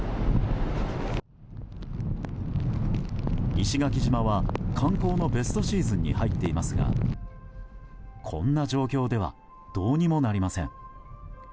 石垣島は観光のベストシーズンに入っていますがこんな状況ではどうにもなりません。